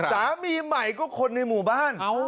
สามีใหม่ก็คนในหมู่บ้าน